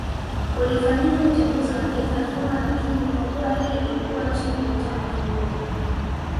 ulifanyika uchaguzi wa taifa zima lakini Kwa kuwa hii ilikuwa nchi ya chama kimoja